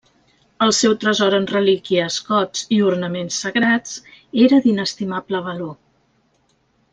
El seu tresor en relíquies, gots i ornaments sagrats, era d'inestimable valor.